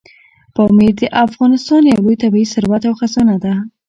پامیر د افغانستان یو لوی طبعي ثروت او خزانه ده.